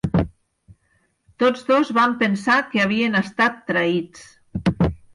Tots dos van pensar que havien estat traïts.